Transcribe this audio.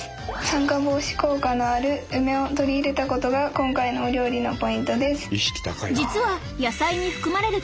酸化防止効果のある梅を取り入れたことが今回のお料理のポイントです。